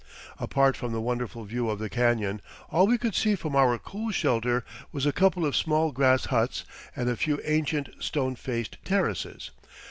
Apart from the wonderful view of the canyon, all we could see from our cool shelter was a couple of small grass huts and a few ancient stone faced terraces.